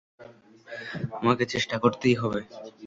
আমাকে চেষ্টা করতেই হবে।